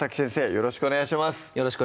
よろしくお願いします